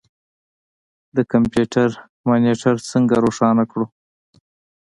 د کمپیوټر مانیټر څنګه روښانه کړو.